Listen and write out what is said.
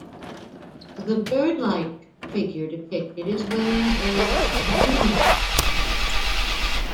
The birdlike figure depicted is wearing a "Judenhut".